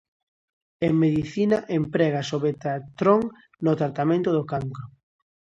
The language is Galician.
En medicina emprégase o betatrón no tratamento do cancro.